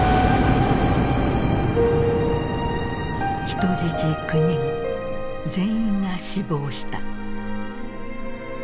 人質９人全員が死亡した。